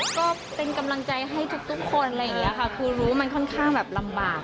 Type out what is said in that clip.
ก็เป็นกำลังใจให้ทุกคนอะไรอย่างนี้ค่ะคือรู้มันค่อนข้างแบบลำบาก